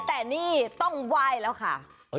แต่นี่ต้องไหว้แล้วค่ะ